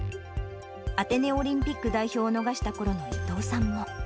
アテネオリンピック代表を逃したころの伊藤さんも。